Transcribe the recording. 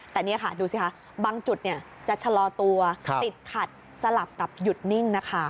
แต่นี่ค่ะดูสิคะบางจุดจะชะลอตัวติดขัดสลับกับหยุดนิ่งนะคะ